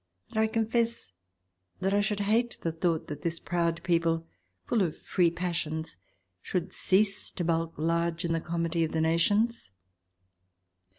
... And I confess that I should hate the thought that this proud people, full of free passions, should cease to bulk large in the comity of the nations.